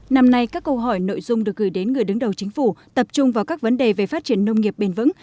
năm nay các câu hỏi nội dung được gửi đến người đứng đầu chính phủ tập trung vào các vấn đề về phát triển nông nghiệp bền vững